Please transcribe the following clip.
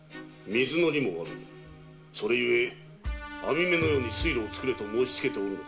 〔それゆえ網目のように水路を作れと申しつけておる〕